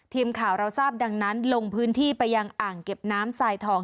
ทีมข่าวเราทราบดังนั้นลงพื้นที่ไปยังอ่างเก็บน้ำทรายทอง